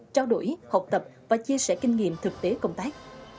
trao đổi học tập và chia sẻ kinh nghiệm thực tế công tác